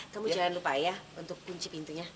kamu jangan lupa ya untuk kunci pintunya